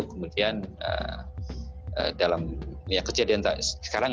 kemudian dalam kejadian sekarang